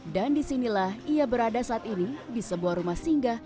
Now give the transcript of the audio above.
dan disinilah ia berada saat ini di sebuah rumah singgah